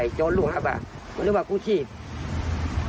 แล้วอ้างด้วยว่าผมเนี่ยทำงานอยู่โรงพยาบาลดังนะฮะกู้ชีพที่เขากำลังมาประถมพยาบาลดังนะฮะ